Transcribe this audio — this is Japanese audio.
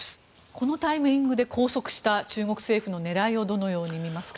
このタイミングで拘束した中国政府の狙いをどのように見ますか。